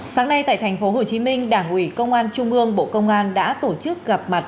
sáng nay tại thành phố hồ chí minh đảng ủy công an trung ương bộ công an đã tổ chức gặp mặt